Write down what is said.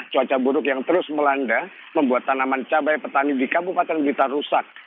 cuaca buruk yang terus melanda membuat tanaman cabai petani di kabupaten blitar rusak